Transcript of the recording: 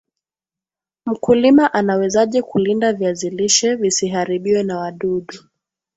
Mkulima anawezaje kulinda viazi lishe visiharibiwe na wadudu